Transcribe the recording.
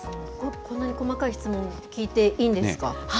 こんなに細かい質問、聞いていいんですか。